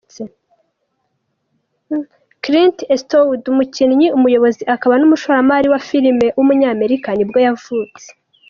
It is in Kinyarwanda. Clint Eastwood, umukinnyi, umuyobozi akaba n’umushoramari wa filime w’umunyamerika nibwo yavutse.